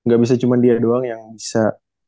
gak bisa cuma dia doang yang bisa